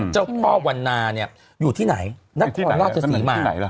เจ้าพ่อวันนาเนี่ยอยู่ที่ไหนนักศึกษาลาชสีมาร